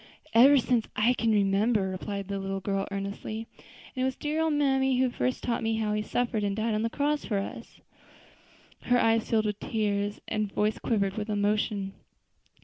"Ever since I can remember," replied the little girl earnestly; "and it was dear old mammy who first told me how He suffered and died on the cross for us." Her eyes filled with tears and her voice quivered with emotion.